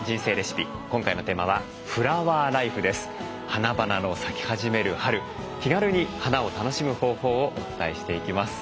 花々の咲き始める春気軽に花を楽しむ方法をお伝えしていきます。